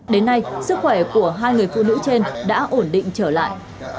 đến nay sức khỏe của hai người phụ nữ trên đã ổn định trở lại